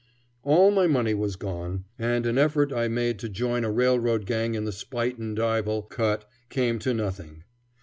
All my money was gone, and an effort I made to join a railroad gang in the Spuyten Duyvil cut came to nothing.